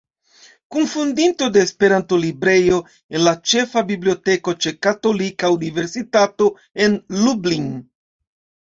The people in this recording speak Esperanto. Kunfondinto de Esperanto Librejo en la Ĉefa Biblioteko ĉe Katolika Universitato en Lublin.